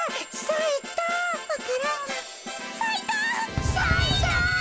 さいた！